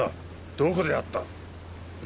どこで会った！？